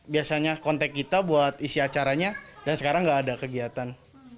biasanya kontak kita buat isi acaranya dan sekarang nggak ada kegiatan